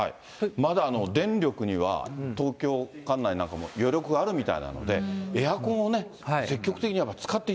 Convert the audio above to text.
まだ電力には、東京管内なんかも余力があるみたいなので、エアコンをね、そうですね。